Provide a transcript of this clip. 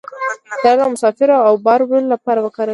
طیاره د مسافرو او بار وړلو لپاره کارول کېږي.